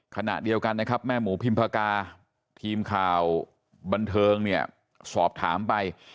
ขณะเดียวกันนะครับแม่หมูพิมพากาทีมข่าวบันเทิงเนี่ยสอบถามไป